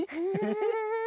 フフフフ！